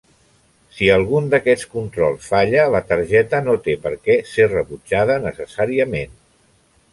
Si algun d'aquests controls falla, la targeta no té per què ser rebutjada necessàriament.